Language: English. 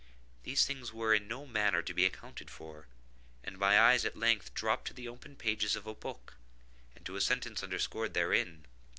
These things were in no manner to be accounted for, and my eyes at length dropped to the open pages of a book, and to a sentence underscored therein.